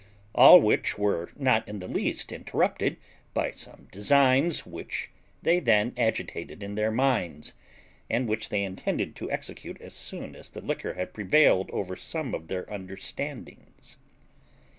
All which were not in the least interrupted by some designs which they then agitated in their minds, and which they intended to execute as soon as the liquor had prevailed over some of their understandings.